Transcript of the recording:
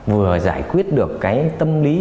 vừa giải quyết được cái tâm lý